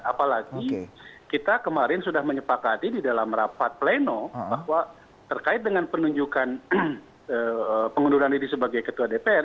apalagi kita kemarin sudah menyepakati di dalam rapat pleno bahwa terkait dengan penunjukan pengunduran diri sebagai ketua dpr